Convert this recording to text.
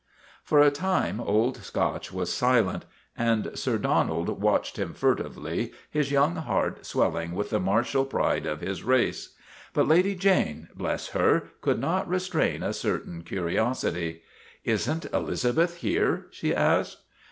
For a time Old Scotch was silent, and Sir Donald watched him furtively, his young heart swelling with the martial pride of his race. But Lady Jane bless her ! could not restrain a certain curiosity. " Is n't Elizabeth here? " she asked.